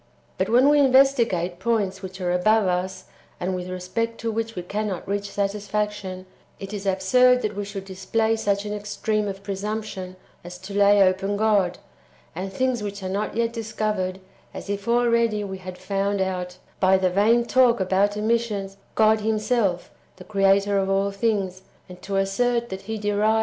But when we investi gate points which are above us, and with respect to which we cannot reach satisfaction, [it is absurd^] that w^e should display such an extreme of presumption as to lay open God, and things which are not yet discovered, as if already we had found out, by the vain talk about emissions, God Him self, the Creator of all things, and to assert that He derived 1 Ps.